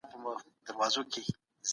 يو سړی په کمپيوټر کي اکسل کاروي.